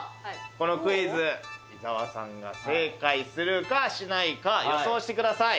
このクイズ伊沢さんが正解するかしないか予想してください